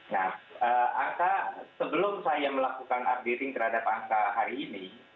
nah angka sebelum saya melakukan updating terhadap angka hari ini